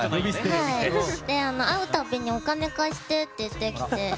で、会うたびにお金貸して言って言ってきて。